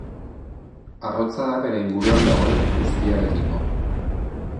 Arrotza da bere inguruan dagoen guztiarekiko.